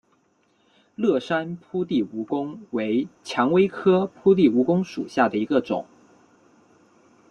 乐山铺地蜈蚣为蔷薇科铺地蜈蚣属下的一个种。